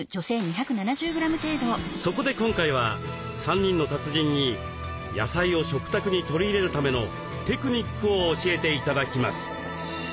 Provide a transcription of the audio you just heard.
そこで今回は３人の達人に野菜を食卓に取り入れるためのテクニックを教えて頂きます。